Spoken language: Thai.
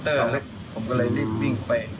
แต่ว่าเราไม่มี